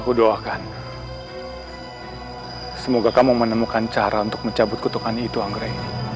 aku doakan semoga kamu menemukan cara untuk mencabut kutukan itu anggrek